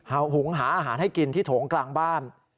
เอาหุงหาอาหารให้กินที่โถงกลางบ้าน